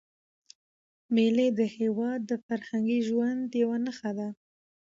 مېلې د هېواد د فرهنګي ژوند یوه نخښه ده.